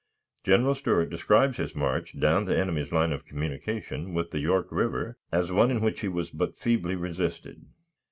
General Stuart describes his march down the enemy's line of communication with the York River as one in which he was but feebly resisted.